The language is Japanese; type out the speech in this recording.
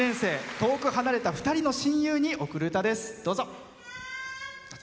遠く離れた２人の親友に贈る歌です。